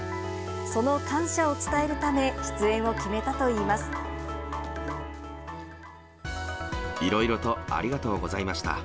その感謝を伝えるため、出演を決いろいろとありがとうございました。